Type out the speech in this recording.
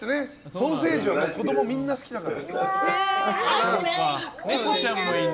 ソーセージは子供みんな好きだから。